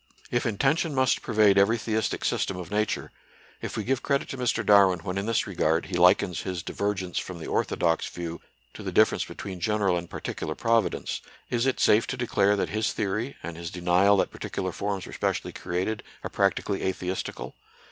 If intention must pervade every theistic sys tem of Nature, if we give credit to Mr. Darwin when in this regard he likens his divergence from the orthodox view to the difference be tween general and particular Providence, is it safe to declare that his theory, and his denial that particular forms were specially created, are practically atheistical?